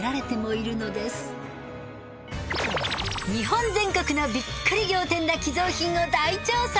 日本全国のビックリ仰天な寄贈品を大調査！